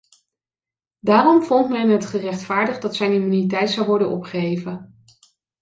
Daarom vond men het gerechtvaardigd dat zijn immuniteit zou worden opgeheven.